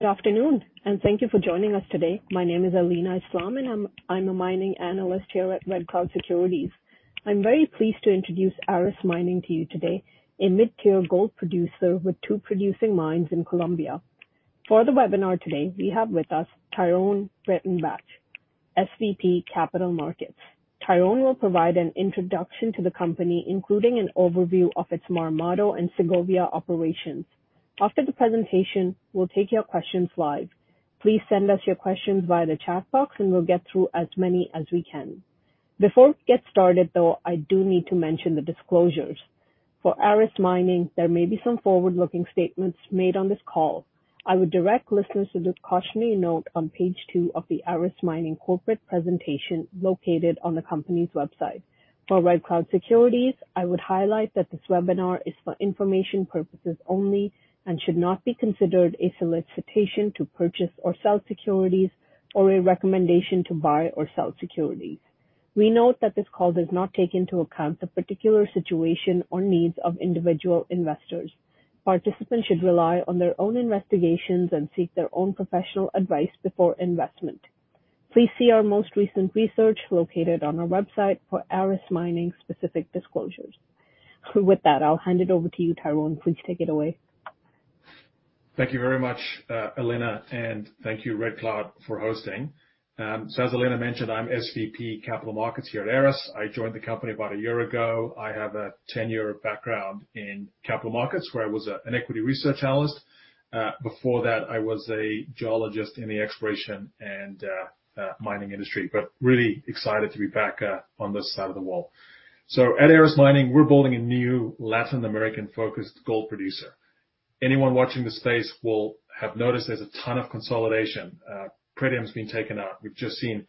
Good afternoon, and thank you for joining us today. My name is Alina Islam, and I'm a Mining Analyst here at Red Cloud Securities. I'm very pleased to introduce Aris Mining to you today, a mid-tier gold producer with two producing mines in Colombia. For the webinar today, we have with us Tyron Breytenbach, SVP, Capital Markets. Tyron will provide an introduction to the company, including an overview of its Marmato and Segovia operations. After the presentation, we'll take your questions live. Please send us your questions via the chat box and we'll get through as many as we can. Before we get started, though, I do need to mention the disclosures. For Aris Mining, there may be some forward-looking statements made on this call. I would direct listeners to the cautionary note on page two of the Aris Mining corporate presentation located on the company's website. For Red Cloud Securities, I would highlight that this webinar is for information purposes only and should not be considered a solicitation to purchase or sell securities or a recommendation to buy or sell securities. We note that this call does not take into account the particular situation or needs of individual investors. Participants should rely on their own investigations and seek their own professional advice before investment. Please see our most recent research located on our website for Aris Mining specific disclosures. With that, I'll hand it over to you, Tyron. Please take it away. Thank you very much, Alina, and thank you, Red Cloud, for hosting. As Alina mentioned, I'm SVP, Capital Markets here at Aris. I joined the company about a year ago. I have a tenure background in capital markets, where I was an Equity Research Analyst. Before that, I was a Geologist in the exploration and mining industry. Really excited to be back on this side of the wall. At Aris Mining, we're building a new Latin American-focused gold producer. Anyone watching this space will have noticed there's a ton of consolidation. Premium's been taken out. We've just seen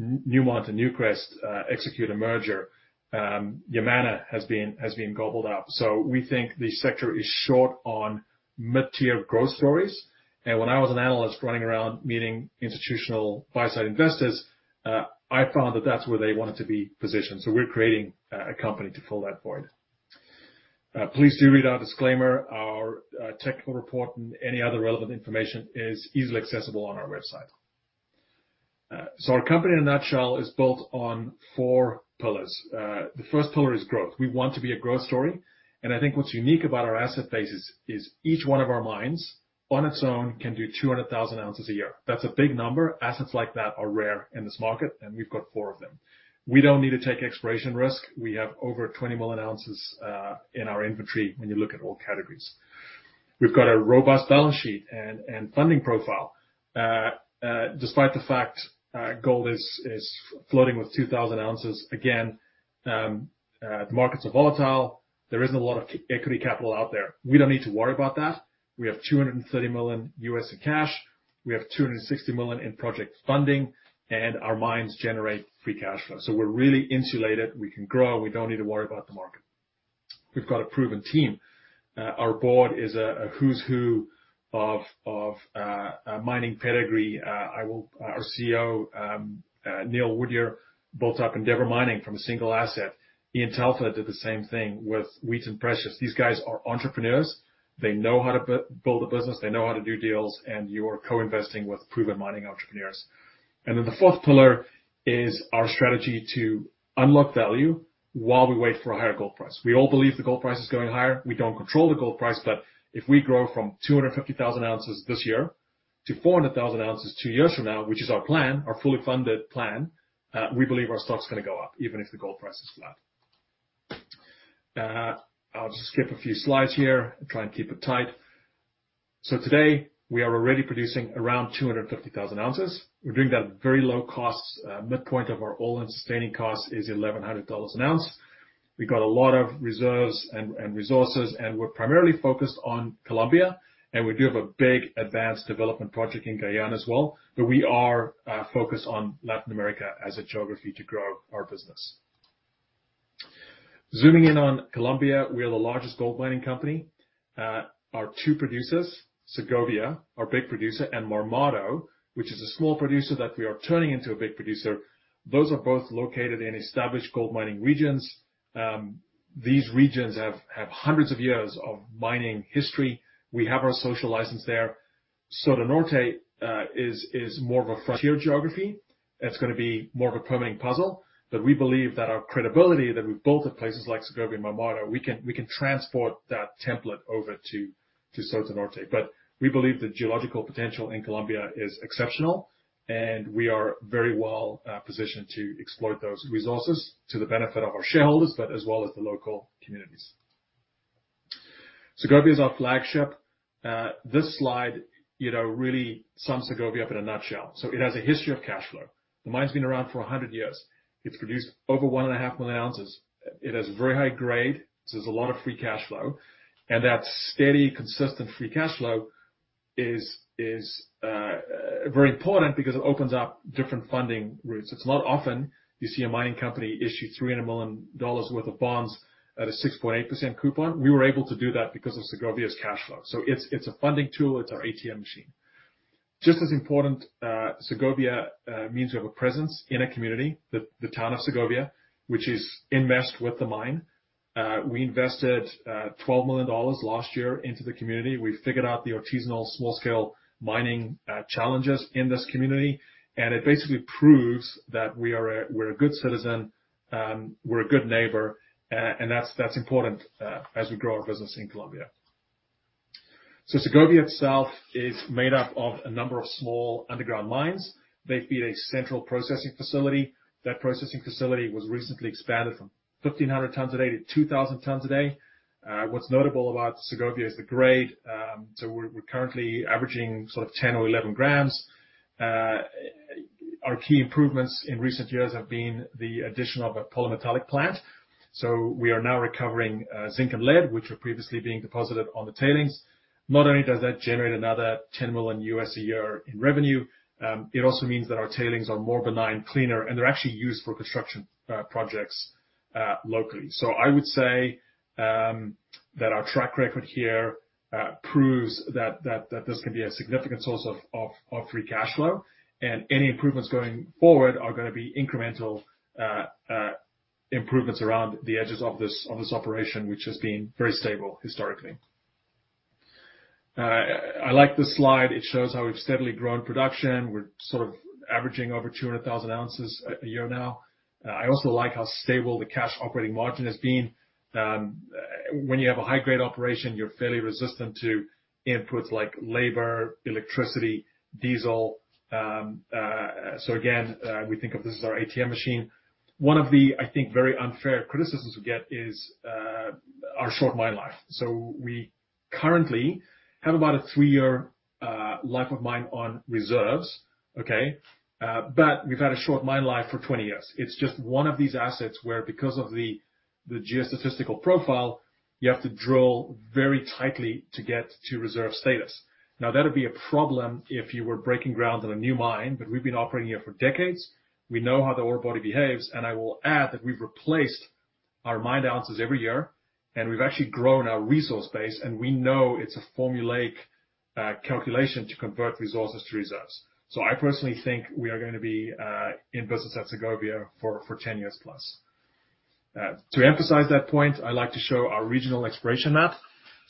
Newmont and Newcrest execute a merger. Yamana has been gobbled up. We think the sector is short on mid-tier growth stories. When I was an analyst running around meeting institutional buy-side investors, I found that that's where they wanted to be positioned. We're creating a company to fill that void. Please do read our disclaimer. Our technical report and any other relevant information is easily accessible on our website. Our company, in a nutshell, is built on four pillars. The first pillar is growth. We want to be a growth story, and I think what's unique about our asset base is each one of our mines, on its own, can do 200,000 oz a year. That's a big number. Assets like that are rare in this market, and we've got four of them. We don't need to take exploration risk. We have over 20,000,000 oz in our inventory when you look at all categories. We've got a robust balance sheet and funding profile. Despite the fact gold is floating with 2,000 oz again, the markets are volatile. There isn't a lot of equity capital out there. We don't need to worry about that. We have $230 million in cash. We have $260 million in project funding, and our mines generate free cash flow. We're really insulated. We can grow. We don't need to worry about the market. We've got a proven team. Our board is a who's who of mining pedigree. Our CEO, Neil Woodyer, built up Endeavour Mining from a single asset. Ian Telfer did the same thing with Wheaton Precious. These guys are entrepreneurs. They know how to build a business, they know how to do deals, and you are co-investing with proven mining entrepreneurs. The fourth pillar is our strategy to unlock value while we wait for a higher gold price. We all believe the gold price is going higher. We don't control the gold price, but if we grow from 250,000 oz this year to 400,000 oz two years from now, which is our plan, our fully funded plan, we believe our stock's going to go up even if the gold price is flat. I'll just skip a few slides here and try and keep it tight. Today, we are already producing around 250,000 oz. We're doing that at very low cost. Midpoint of our all-in sustaining cost is $1,100 an ounce. We've got a lot of reserves and resources, and we're primarily focused on Colombia, and we do have a big advanced development project in Guyana as well. We are focused on Latin America as a geography to grow our business. Zooming in on Colombia, we are the largest gold mining company. Our two producers, Segovia, our big producer, and Marmato, which is a small producer that we are turning into a big producer. Those are both located in established gold mining regions. These regions have hundreds of years of mining history. We have our social license there. Soto Norte is more of a frontier geography. It's going to be more of a permitting puzzle. We believe that our credibility that we've built at places like Segovia and Marmato, we can transport that template over to Soto Norte. We believe the geological potential in Colombia is exceptional, and we are very well positioned to exploit those resources to the benefit of our shareholders, but as well as the local communities. Segovia is our flagship. This slide really sums Segovia up in a nutshell. It has a history of cash flow. The mine's been around for 100 years. It's produced over 1,500,000 oz. It has very high grade, so there's a lot of free cash flow. That steady, consistent free cash flow is very important because it opens up different funding routes. It's not often you see a mining company issue $300 million worth of bonds at a 6.8% coupon. We were able to do that because of Segovia's cash flow. It's a funding tool. It's our ATM machine. Just as important, Segovia means we have a presence in a community, the town of Segovia, which is enmeshed with the mine. We invested $12 million last year into the community. We figured out the artisanal small-scale mining challenges in this community, and it basically proves that we're a good citizen, we're a good neighbor, and that's important as we grow our business in Colombia. Segovia itself is made up of a number of small underground mines. They feed a central processing facility. That processing facility was recently expanded from 1,500 tons a day to 2,000 tons a day. What's notable about Segovia is the grade. We're currently averaging sort of 10 g or 11 g. Our key improvements in recent years have been the addition of a polymetallic plant. We are now recovering zinc and lead, which were previously being deposited on the tailings. Not only does that generate another $10 million a year in revenue, it also means that our tailings are more benign, cleaner, and they're actually used for construction projects locally. I would say that our track record here proves that this can be a significant source of free cash flow, and any improvements going forward are going to be incremental improvements around the edges of this operation, which has been very stable historically. I like this slide. It shows how we've steadily grown production. We're sort of averaging over 200,000 oz a year now. I also like how stable the cash operating margin has been. When you have a high-grade operation, you're fairly resistant to inputs like labor, electricity, diesel. Again, we think of this as our ATM machine. One of the, I think, very unfair criticisms we get is our short mine life. We currently have about a three-year life of mine on reserves, okay? We've had a short mine life for 20 years. It's just one of these assets where because of the geostatistical profile, you have to drill very tightly to get to reserve status. That'd be a problem if you were breaking ground on a new mine, but we've been operating here for decades, we know how the orebody behaves, and I will add that we've replaced our mined ounces every year, and we've actually grown our resource base, and we know it's a formulaic calculation to convert resources to reserves. I personally think we are going to be in business at Segovia for 10+ years. To emphasize that point, I like to show our regional exploration map.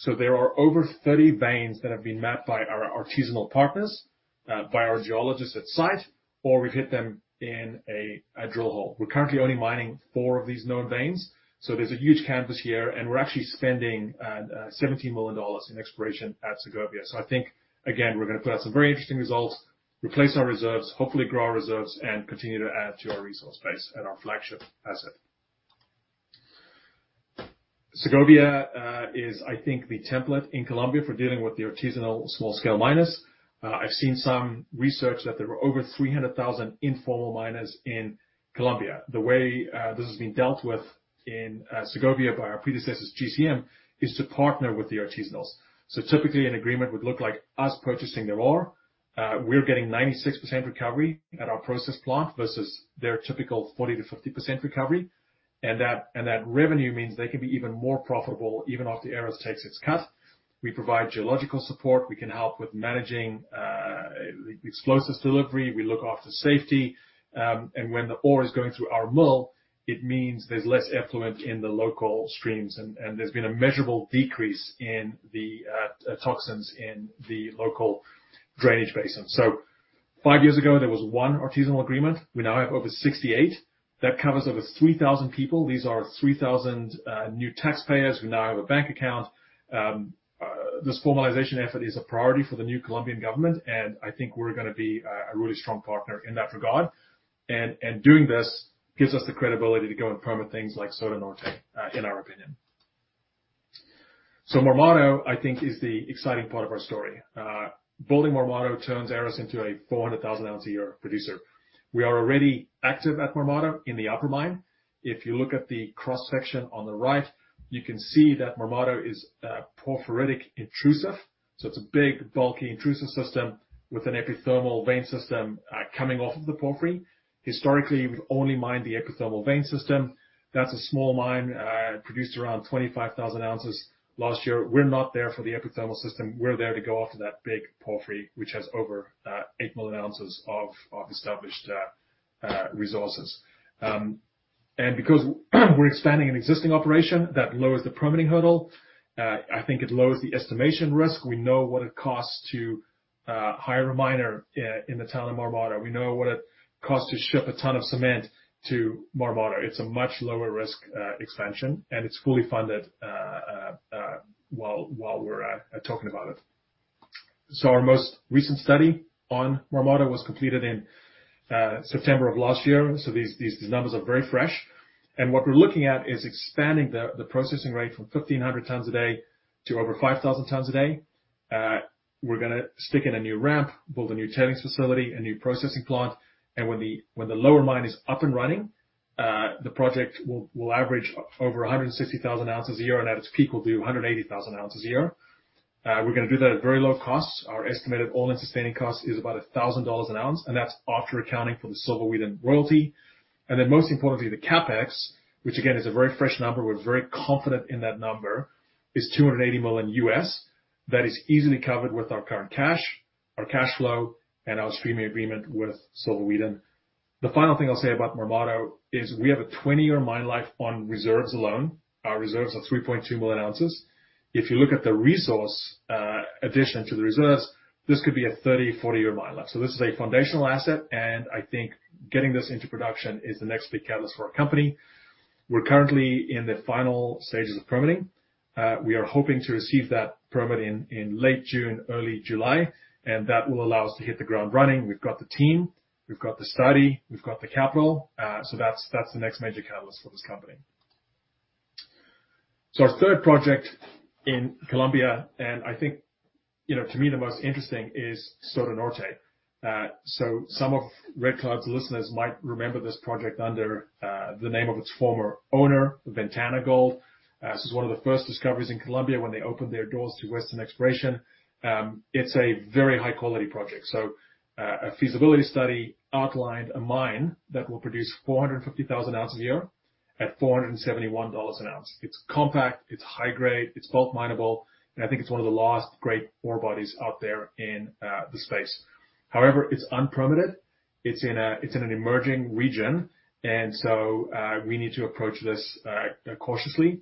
There are over 30 veins that have been mapped by our artisanal partners, by our geologists at site, or we've hit them in a drill hole. We're currently only mining four of these known veins, so there's a huge canvas here, and we're actually spending $17 million in exploration at Segovia. I think, again, we're going to put out some very interesting results, replace our reserves, hopefully grow our reserves, and continue to add to our resource base at our flagship asset. Segovia is, I think, the template in Colombia for dealing with the artisanal small-scale miners. I've seen some research that there are over 300,000 informal miners in Colombia. The way this has been dealt with in Segovia by our predecessors, GCM, is to partner with the artisanals. Typically, an agreement would look like us purchasing their ore. We're getting 96% recovery at our process plant versus their typical 40%-50% recovery. That revenue means they can be even more profitable, even after Aris takes its cut. We provide geological support. We can help with managing explosives delivery. We look after safety. When the ore is going through our mill, it means there's less effluent in the local streams, and there's been a measurable decrease in the toxins in the local drainage basin. Five years ago, there was one artisanal agreement. We now have over 68. That covers over 3,000 people. These are 3,000 new taxpayers who now have a bank account. This formalization effort is a priority for the new Colombian government, and I think we're going to be a really strong partner in that regard. Doing this gives us the credibility to go and permit things like Soto Norte, in our opinion. Marmato, I think, is the exciting part of our story. Building Marmato turns Aris into a 400,000 oz a year producer. We are already active at Marmato in the upper mine. If you look at the cross-section on the right, you can see that Marmato is a porphyritic intrusive, so it's a big, bulky, intrusive system with an epithermal vein system coming off of the porphyry. Historically, we've only mined the epithermal vein system. That's a small mine, produced around 25,000 oz last year. We're not there for the epithermal system. We're there to go after that big porphyry, which has over 8,000,000 oz of established resources. Because we're expanding an existing operation, that lowers the permitting hurdle. I think it lowers the estimation risk. We know what it costs to hire a miner in the town of Marmato. We know what it costs to ship a ton of cement to Marmato. It's a much lower risk expansion, and it's fully funded while we're talking about it. Our most recent study on Marmato was completed in September of last year, so these numbers are very fresh. What we're looking at is expanding the processing rate from 1,500 tons a day to over 5,000 tons a day. We're going to stick in a new ramp, build a new tailings facility, a new processing plant. When the lower mine is up and running, the project will average over 160,000 oz a year, and at its peak will do 180,000 oz a year. We're going to do that at very low cost. Our estimated all-in sustaining cost is about $1,000 an ounce, and that's after accounting for the Silver Wheaton royalty. Most importantly, the CapEx, which again is a very fresh number, we're very confident in that number, is $280 million. That is easily covered with our current cash, our cash flow, and our streaming agreement with Silver Wheaton. The final thing I'll say about Marmato is we have a 20-year mine life on reserves alone. Our reserves are 3,200,000 oz. If you look at the resource addition to the reserves, this could be a 30, 40-year mine life. This is a foundational asset, and I think getting this into production is the next big catalyst for our company. We're currently in the final stages of permitting. We are hoping to receive that permit in late June, early July, and that will allow us to hit the ground running. We've got the team, we've got the study, we've got the capital. That's the next major catalyst for this company. Our third project in Colombia, and I think, to me, the most interesting is Soto Norte. Some of Red Cloud's listeners might remember this project under the name of its former owner, Ventana Gold. This is one of the first discoveries in Colombia when they opened their doors to Western exploration. It's a very high-quality project. A feasibility study outlined a mine that will produce 450,000 oz a year at $471 an ounce. It's compact, it's high-grade, it's both mineable, and I think it's one of the last great ore bodies out there in the space. It's unpermitted. It's in an emerging region, and so we need to approach this cautiously.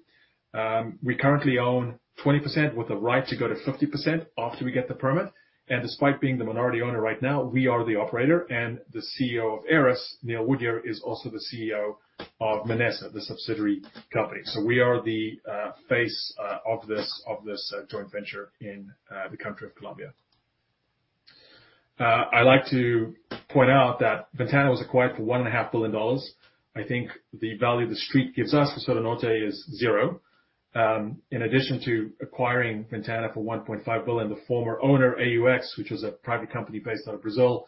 We currently own 20% with the right to go to 50% after we get the permit. Despite being the minority owner right now, we are the operator and the CEO of Aris, Neil Woodyer, is also the CEO of Minesa, the subsidiary company. We are the face of this joint venture in the country of Colombia. I like to point out that Ventana was acquired for $1.5 billion. I think the value the Street gives us for Soto Norte is zero. In addition to acquiring Ventana for $1.5 billion, the former owner, AUX, which was a private company based out of Brazil,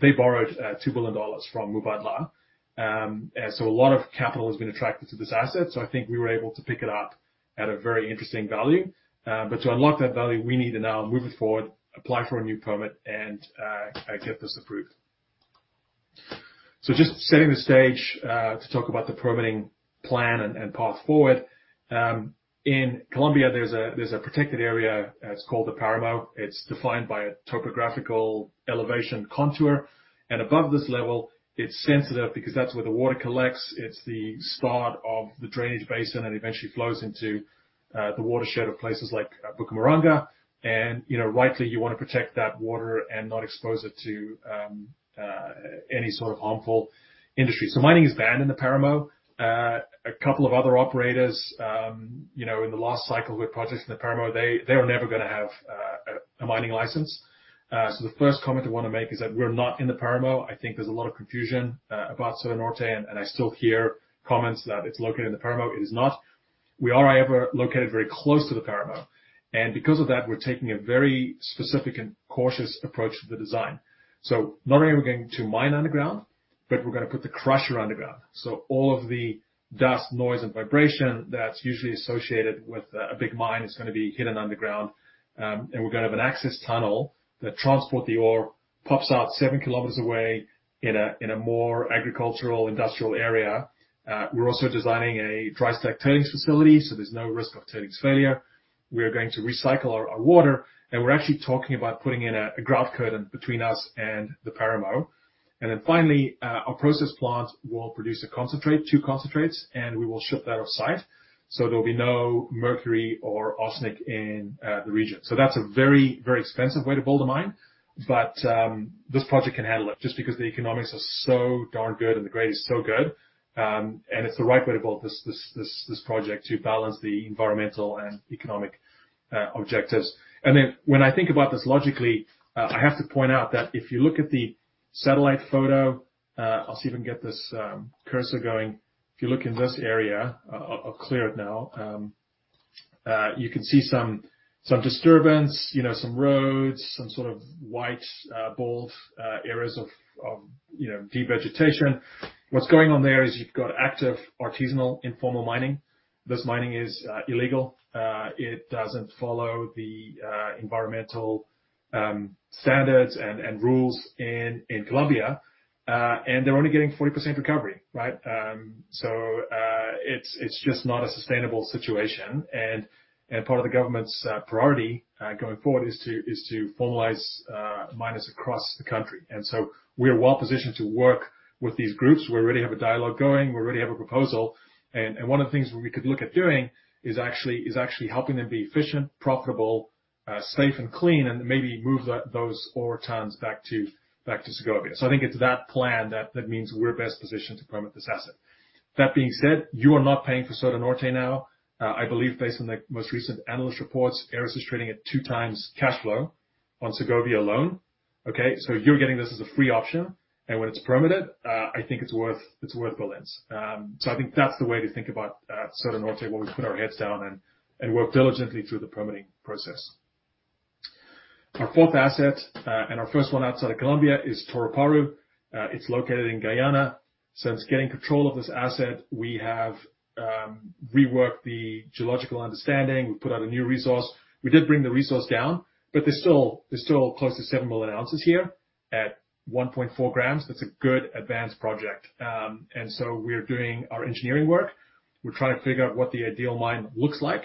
they borrowed $2 billion from Mubadala. A lot of capital has been attracted to this asset. I think we were able to pick it up at a very interesting value. To unlock that value, we need to now move it forward, apply for a new permit, and get this approved. Just setting the stage to talk about the permitting plan and path forward. In Colombia, there's a protected area that's called the Páramo. It's defined by a topographical elevation contour. Above this level, it's sensitive because that's where the water collects. It's the start of the drainage basin that eventually flows into the watershed of places like Bucaramanga. Rightly, you want to protect that water and not expose it to any sort of harmful industry. Mining is banned in the Páramo. A couple of other operators in the last cycle who had projects in the Páramo, they were never going to have a mining license. The first comment I want to make is that we're not in the Páramo. I think there's a lot of confusion about Soto Norte, and I still hear comments that it's located in the Páramo. It is not. We are however located very close to the Páramo. Because of that, we're taking a very specific and cautious approach to the design. Not only are we going to mine underground, but we're going to put the crusher underground. All of the dust, noise, and vibration that's usually associated with a big mine is going to be hidden underground. We're going to have an access tunnel that transport the ore, pops out 7 km away in a more agricultural industrial area. We're also designing a dry stack tailings facility, so there's no risk of tailings failure. We are going to recycle our water, and we're actually talking about putting in a grout curtain between us and the Páramo. Finally, our process plant will produce a concentrate, two concentrates, and we will ship that off-site so there'll be no mercury or arsenic in the region. That's a very, very expensive way to build a mine, but this project can handle it just because the economics are so darn good and the grade is so good. It's the right way to build this project to balance the environmental and economic objectives. When I think about this logically, I have to point out that if you look at the satellite photo, I'll see if I can get this cursor going. If you look in this area, I'll clear it now. You can see some disturbance, some roads, some sort of white, bald areas of devegetation. What's going on there is you've got active artisanal informal mining. This mining is illegal. It doesn't follow the environmental standards and rules in Colombia. They're only getting 40% recovery. It's just not a sustainable situation. Part of the government's priority going forward is to formalize miners across the country. We are well-positioned to work with these groups. We already have a dialogue going. We already have a proposal. One of the things we could look at doing is actually helping them be efficient, profitable, safe and clean, and maybe move those ore tons back to Segovia. I think it's that plan that means we're best positioned to permit this asset. That being said, you are not paying for Soto Norte now. I believe based on the most recent analyst reports, Aris is trading at 2x cash flow on Segovia alone. You're getting this as a free option. When it's permitted, I think it's worth billions. I think that's the way to think about Soto Norte, where we put our heads down and work diligently through the permitting process. Our fourth asset, and our first one outside of Colombia is Toroparu. It's located in Guyana. Since getting control of this asset, we have reworked the geological understanding. We put out a new resource. We did bring the resource down, but there's still close to 7,000,000 oz here at 1.4 g. That's a good advanced project. We're doing our engineering work. We're trying to figure out what the ideal mine looks like.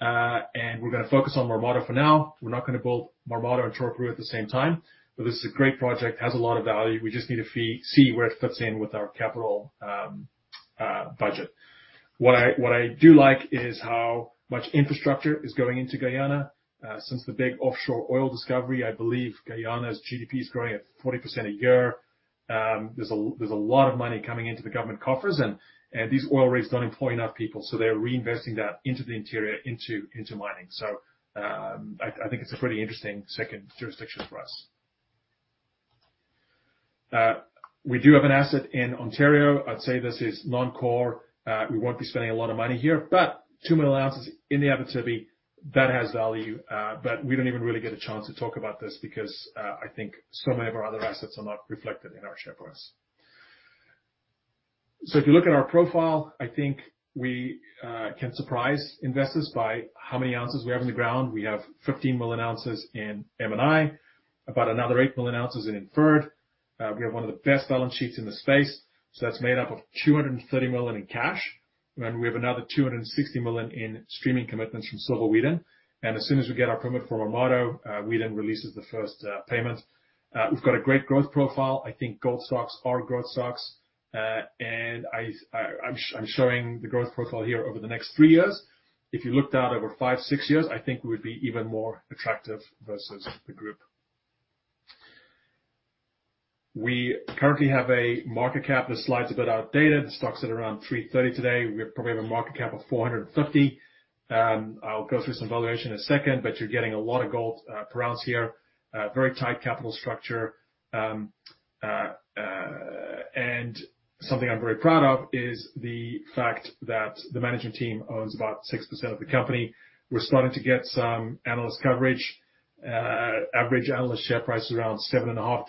We're going to focus on Marmato for now. We're not going to build Marmato and Toroparu at the same time. This is a great project, has a lot of value. We just need to see where it fits in with our capital budget. What I do like is how much infrastructure is going into Guyana. Since the big offshore oil discovery, I believe Guyana's GDP is growing at 40% a year. There's a lot of money coming into the government coffers, and these oil rigs don't employ enough people, so they're reinvesting that into the interior, into mining. I think it's a pretty interesting second jurisdiction for us. We do have an asset in Ontario. I'd say this is non-core. We won't be spending a lot of money here, but 2,000,000 oz in the Abitibi, that has value. We don't even really get a chance to talk about this because I think so many of our other assets are not reflected in our share price. If you look at our profile, I think we can surprise investors by how many ounces we have in the ground. We have 15,000,000 oz in M&I, about another 8,000,000 oz in inferred. We have one of the best balance sheets in the space. That's made up of $230 million in cash. Remember, we have another $260 million in streaming commitments from Silver Wheaton. As soon as we get our permit from Marmato, Wheaton releases the first payment. We've got a great growth profile. I think gold stocks are growth stocks. I'm showing the growth profile here over the next three years. If you looked out over five, six years, I think we would be even more attractive versus the group. We currently have a market cap. This slide's a bit outdated. The stock's at around $330 million today. We probably have a market cap of $450 million. I'll go through some valuation in a second, but you're getting a lot of gold per ounce here. Very tight capital structure. Something I'm very proud of is the fact that the management team owns about 6% of the company. We're starting to get some analyst coverage. Average analyst share price is around $7.5.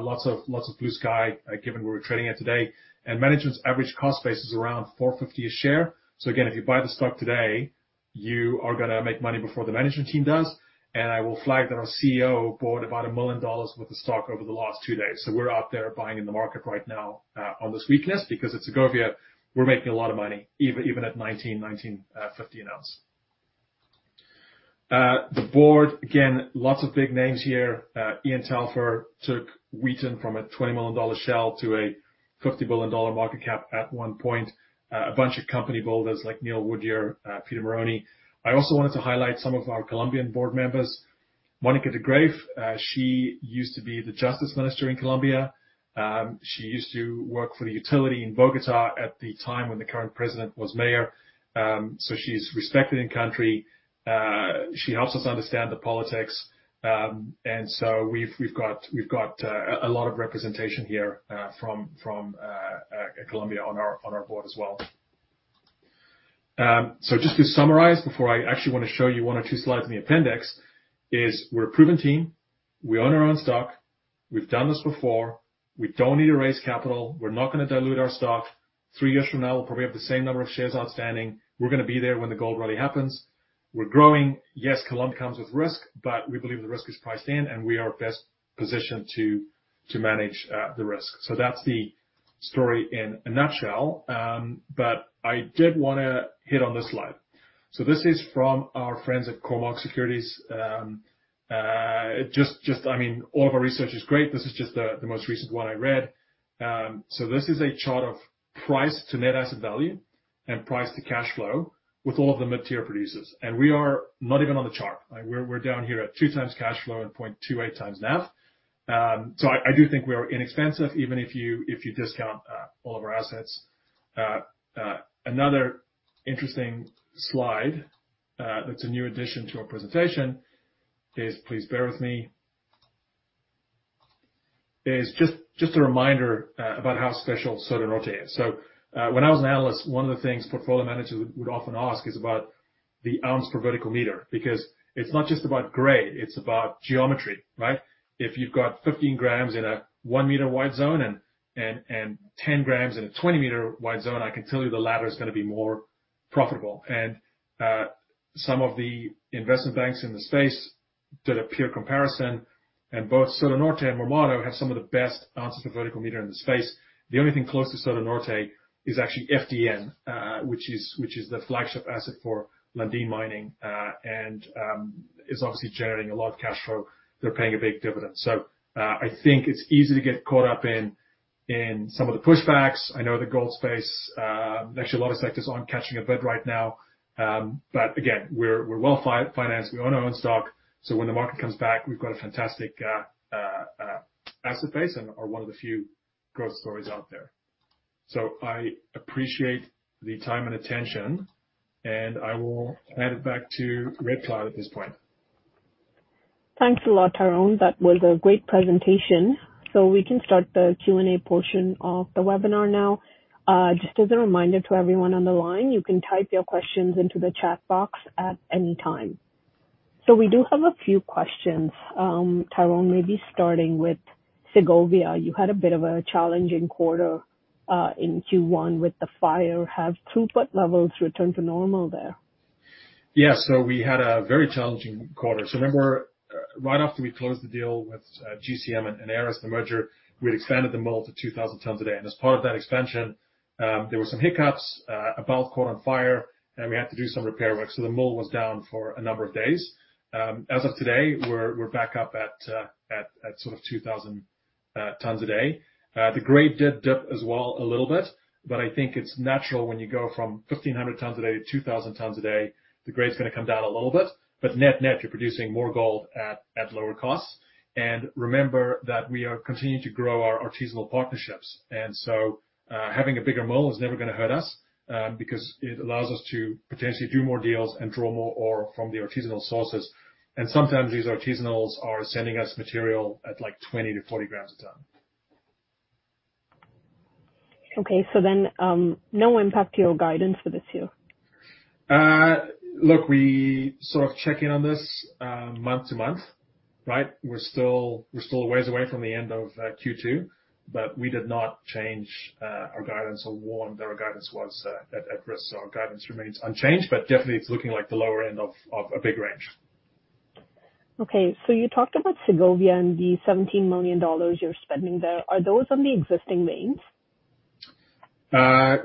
Lots of blue sky given where we're trading at today. Management's average cost base is around $4.50 a share. Again, if you buy the stock today, you are going to make money before the management team does. I will flag that our CEO bought about $1 million worth of stock over the last two days. We're out there buying in the market right now on this weakness because at Segovia we're making a lot of money, even at $1,900-$1,950 an ounce. The board, again, lots of big names here. Ian Telfer took Wheaton from a $20 million shell to a $50 billion market cap at one point. A bunch of company builders like Neil Woodyer, Peter Marrone. I also wanted to highlight some of our Colombian board members. Mónica de Greiff, she used to be the Justice Minister in Colombia. She used to work for the utility in Bogotá at the time when the current president was mayor. She's respected in country. She helps us understand the politics. We've got a lot of representation here from Colombia on our board as well. Just to summarize before I actually want to show you one or two slides in the appendix, we're a proven team. We own our own stock. We've done this before. We don't need to raise capital. We're not going to dilute our stock. Three years from now, we'll probably have the same number of shares outstanding. We're going to be there when the gold rally happens. We're growing. Yes, Colombia comes with risk, but we believe the risk is priced in and we are best positioned to manage the risk. That's the story in a nutshell. I did want to hit on this slide. This is from our friends at Cormark Securities. All of our research is great. This is just the most recent one I read. This is a chart of price to net asset value and price to cash flow with all of the mid-tier producers. We are not even on the chart, right? We're down here at 2x cash flow and 0.28x NAV. I do think we are inexpensive even if you discount all of our assets. Another interesting slide that's a new addition to our presentation is, please bear with me, just a reminder about how special Soto Norte is. When I was an analyst, one of the things portfolio managers would often ask is about the ounce per vertical meter, because it is not just about grade, it is about geometry, right? If you have got 15 g in a 1 m wide zone and 10 g in a 20 m wide zone, I can tell you the latter is going to be more profitable. Some of the investment banks in the space did a peer comparison and both Soto Norte and Marmato have some of the best ounces per vertical meter in the space. The only thing close to Soto Norte is actually FDN, which is the flagship asset for Lundin Mining, and is obviously generating a lot of cash flow. They are paying a big dividend. I think it is easy to get caught up in some of the pushbacks. I know the gold space, actually a lot of sectors aren't catching a bid right now. Again, we're well-financed. We own our own stock. When the market comes back, we've got a fantastic asset base and are one of the few growth stories out there. I appreciate the time and attention and I will hand it back to Red Cloud at this point. Thanks a lot, Tyron. That was a great presentation. We can start the Q&A portion of the webinar now. Just as a reminder to everyone on the line, you can type your questions into the chat box at any time. We do have a few questions. Tyron, maybe starting with Segovia. You had a bit of a challenging quarter, in Q1 with the fire. Have throughput levels returned to normal there? We had a very challenging quarter. Remember, right after we closed the deal with GCM and Aris, the merger, we had expanded the mill to 2,000 tons a day. As part of that expansion, there were some hiccups. A belt caught on fire, and we had to do some repair work, so the mill was down for a number of days. As of today, we're back up at sort of 2,000 tons a day. The grade did dip as well a little bit, but I think it's natural when you go from 1,500 tons a day to 2,000 tons a day, the grade's going to come down a little bit. Net-net, you're producing more gold at lower costs. Remember that we are continuing to grow our artisanal partnerships. Having a bigger mill is never going to hurt us, because it allows us to potentially do more deals and draw more ore from the artisanal sources. Sometimes these artisanals are sending us material at 20 g-40 g a ton. Okay, no impact to your guidance for this year? Look, we sort of check in on this month-to-month, right? We're still a ways away from the end of Q2, but we did not change our guidance or warn that our guidance was at risk, so our guidance remains unchanged. Definitely, it's looking like the lower end of a big range. Okay. You talked about Segovia and the $17 million you're spending there. Are those on the existing mines?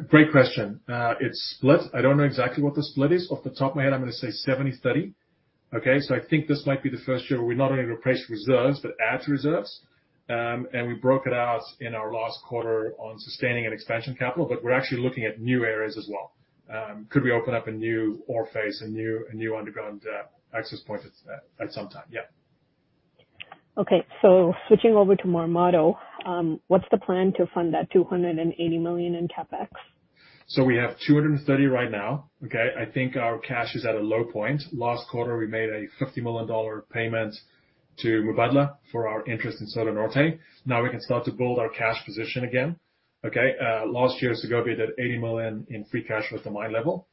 Great question. It is split. I don't know exactly what the split is. Off the top of my head, I am going to say 70/30. Okay. I think this might be the first year where we not only replace reserves, but add to reserves. We broke it out in our last quarter on sustaining and expansion capital, but we are actually looking at new areas as well. Could we open up a new ore face, a new underground access point at some time? Yeah. Okay. Switching over to Marmato, what's the plan to fund that $280 million in CapEx? We have $230 million right now. Okay? I think our cash is at a low point. Last quarter, we made a $50 million payment to Mubadala for our interest in Soto Norte. Now we can start to build our cash position again. Okay? Last year, Segovia did $80 million in free cash flow at the mine level.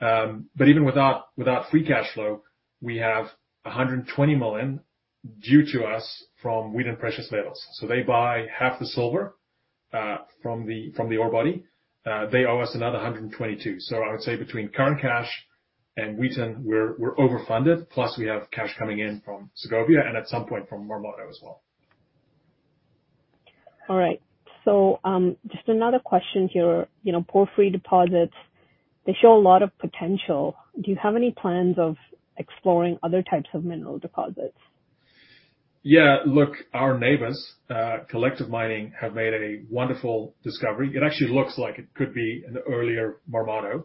Even without free cash flow, we have $120 million due to us from Wheaton Precious Metals. They buy half the silver from the ore body. They owe us another $122 million. I would say between current cash and Wheaton, we're overfunded. Plus, we have cash coming in from Segovia, and at some point from Marmato as well. All right. Just another question here. Porphyry deposits, they show a lot of potential. Do you have any plans of exploring other types of mineral deposits? Yeah. Look, our neighbors, Collective Mining, have made a wonderful discovery. It actually looks like it could be in the earlier Marmato.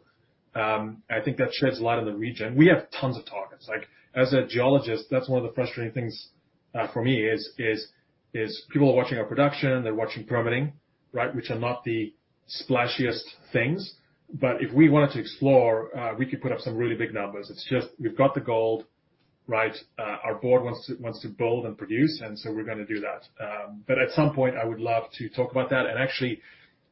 I think that sheds a light on the region. We have tons of targets. As a geologist, that's one of the frustrating things for me is people are watching our production, they're watching permitting, right? Which are not the splashiest things. If we wanted to explore, we could put up some really big numbers. It's just, we've got the gold, right? Our board wants to build and produce, we're gonna do that. At some point, I would love to talk about that. Actually,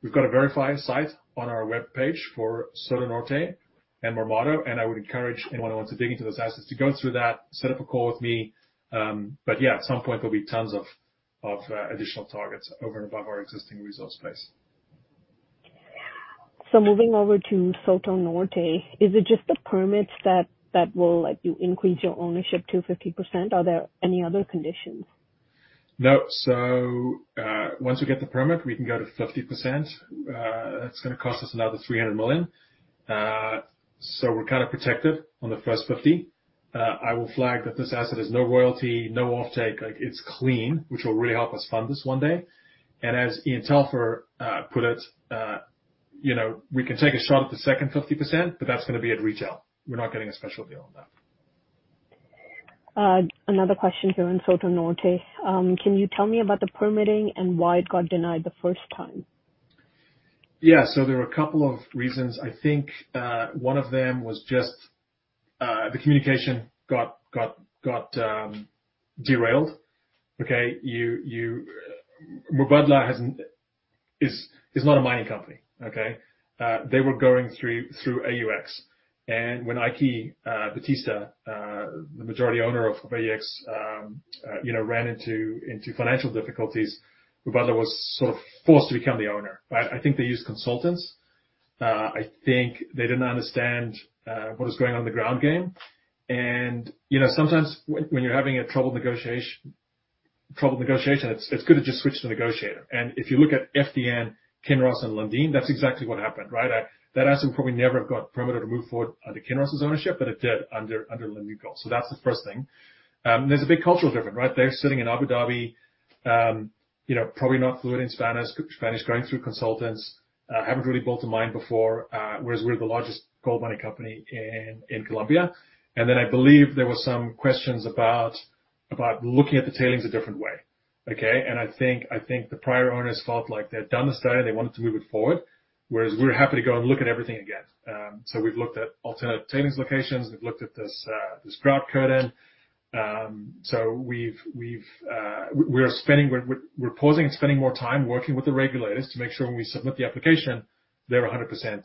we've got a VRIFY site on our webpage for Soto Norte and Marmato, I would encourage anyone who wants to dig into those assets to go through that, set up a call with me. Yeah, at some point, there'll be tons of additional targets over and above our existing resource base. Moving over to Soto Norte, is it just the permits that will let you increase your ownership to 50%? Are there any other conditions? No. Once we get the permit, we can go to 50%. That's going to cost us another $300 million. We're kind of protected on the first 50%. I will flag that this asset is no royalty, no offtake. It's clean, which will really help us fund this one day. As Ian Telfer put it, we can take a shot at the second 50%, but that's going to be at retail. We're not getting a special deal on that. Another question here on Soto Norte. Can you tell me about the permitting and why it got denied the first time? Yeah. There were a couple of reasons. I think, one of them was just the communication got derailed. Okay? Mubadala is not a mining company, okay? They were going through AUX. When Eike Batista, the majority owner of AUX ran into financial difficulties, Mubadala was sort of forced to become the owner, right? I think they used consultants. I think they didn't understand what was going on the ground game. Sometimes when you're having a troubled negotiation, it's good to just switch the negotiator. If you look at FDN, Kinross, and Lundin, that's exactly what happened, right? That asset would probably never have got permitted to move forward under Kinross' ownership, but it did under Lundin Gold. That's the first thing. There's a big cultural difference, right? They're sitting in Abu Dhabi, probably not fluent in Spanish, going through consultants, haven't really built a mine before, whereas we're the largest gold mining company in Colombia. I believe there were some questions about looking at the tailings a different way. Okay. I think the prior owners felt like they had done the study, and they wanted to move it forward, whereas we're happy to go and look at everything again. We've looked at alternate tailings locations. We've looked at this grout curtain. We're pausing and spending more time working with the regulators to make sure when we submit the application, they're 100%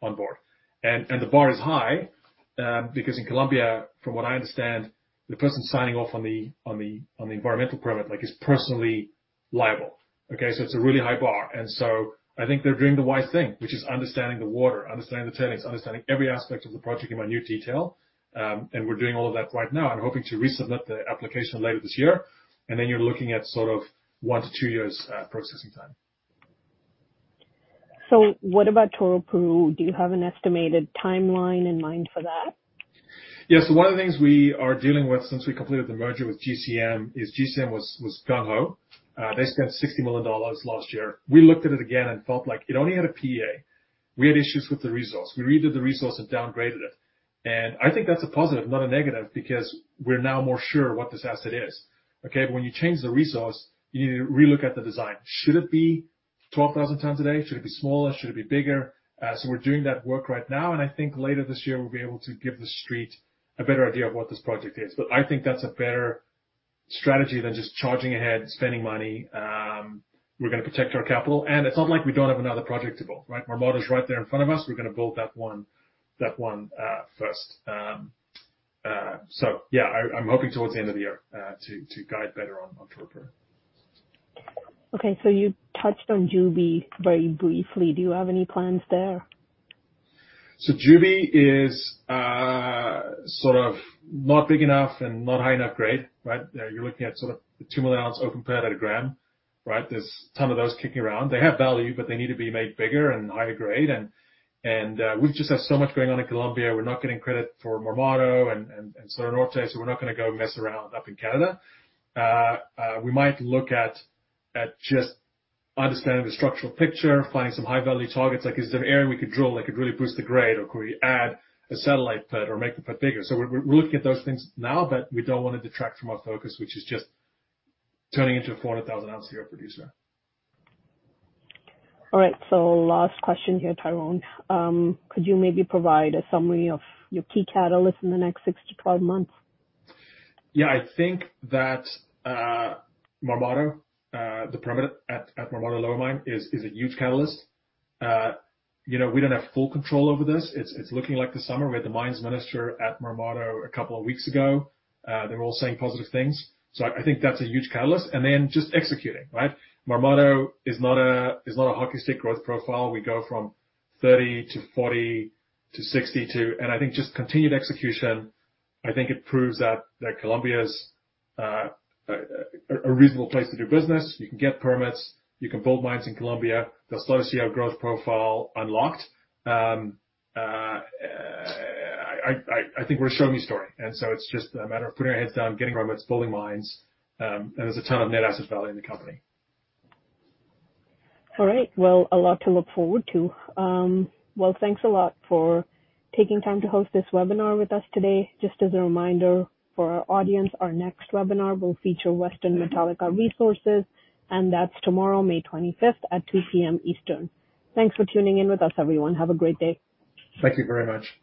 on board. The bar is high, because in Colombia, from what I understand, the person signing off on the environmental permit, is personally liable. Okay, it's a really high bar. I think they're doing the wise thing, which is understanding the water, understanding the tailings, understanding every aspect of the project in minute detail. We're doing all of that right now and hoping to resubmit the application later this year. Then you're looking at one to two years processing time. What about Toroparu? Do you have an estimated timeline in mind for that? Yeah. One of the things we are dealing with since we completed the merger with GCM is GCM was gung-ho. They spent $60 million last year. We looked at it again and felt like it only had a PEA. We had issues with the resource. We redid the resource and downgraded it. I think that's a positive, not a negative, because we're now more sure what this asset is. Okay? When you change the resource, you need to relook at the design. Should it be 12,000 tons a day? Should it be smaller? Should it be bigger? We're doing that work right now, and I think later this year, we'll be able to give the Street a better idea of what this project is. I think that's a better strategy than just charging ahead, spending money. We're going to protect our capital, it's not like we don't have another project to build, right? Marmato's right there in front of us. We're going to build that one first. Yeah, I'm hoping towards the end of the year to guide better on Toroparu. Okay, you touched on Juby very briefly. Do you have any plans there? Juby is not big enough and not high enough grade, right. You're looking at sort of the 2,000,000 oz open pit at a gram, right? There's a ton of those kicking around. They have value, but they need to be made bigger and higher grade. We've just had so much going on in Colombia. We're not getting credit for Marmato and Soto Norte, we're not going to go mess around up in Canada. We might look at just understanding the structural picture, finding some high-value targets. Is there an area we could drill that could really boost the grade, or could we add a satellite pit or make the pit bigger. We're looking at those things now, we don't want to detract from our focus, which is just turning into a 400,000 oz gold producer. All right. Last question here, Tyron. Could you maybe provide a summary of your key catalysts in the next 6 to 12 months? Yeah. I think that Marmato, the permit at Marmato Lower Mine is a huge catalyst. We don't have full control over this. It's looking like this summer. We had the mines minister at Marmato a couple of weeks ago. They were all saying positive things. I think that's a huge catalyst. Just executing, right? Marmato is not a hockey stick growth profile. We go from 30 to 40 to 62, and I think just continued execution, I think it proves that Colombia is a reasonable place to do business. You can get permits. You can build mines in Colombia. The slow growth profile unlocked. I think we're a show-me story, and so it's just a matter of putting our heads down, getting permits, building mines. There's a ton of net asset value in the company. All right. Well, a lot to look forward to. Well, thanks a lot for taking time to host this webinar with us today. Just as a reminder for our audience, our next webinar will feature Western Metallica Resources, and that's tomorrow, May 25th, at 2:00 P.M. Eastern. Thanks for tuning in with us, everyone. Have a great day. Thank you very much.